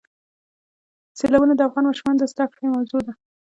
سیلابونه د افغان ماشومانو د زده کړې موضوع ده.